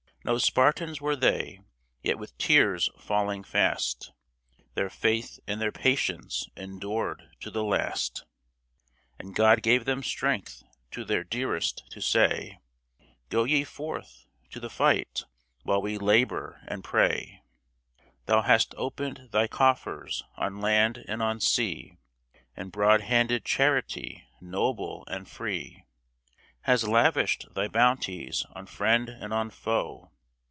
No Spartans were they — yet with tears falling fast. Their faith and their patience endured to the last ; And God gave them strength to their dearest to say, '' Go ye forth to the fight, while we labor and pray !" Thou hast opened thy coffers on land and on sea, And broad handed Charity, noble and free. Has lavished thy bounties on friend and on foe.